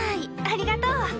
・ありがとう。